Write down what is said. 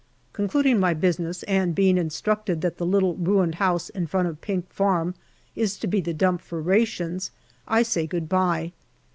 Concluding my business, and being instructed that the little ruined house in front of Pink Farm is to be the dump for rations, I say good bye.